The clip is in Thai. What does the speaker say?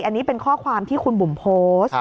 อันนี้เป็นข้อความที่คุณบุ๋มโพสต์